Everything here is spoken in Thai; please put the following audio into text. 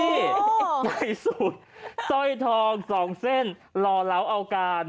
นี่ไปสุดจ้อยทองสองเส้นรอเหลาเอาการ